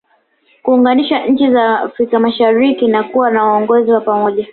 Kuunganisha nchi za Afrika mashariki na kuwa na uongozi wa pamoja